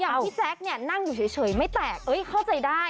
พี่แจ๊คเนี่ยนั่งอยู่เฉยไม่แตกเข้าใจได้